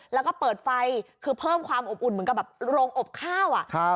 แล้วก็เปิดไฟคือเพิ่มความอบอุ่นเหมือนกับแบบโรงอบข้าว